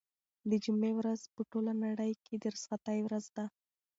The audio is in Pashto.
د جمعې ورځ په ټوله نړۍ کې د رخصتۍ ورځ ده.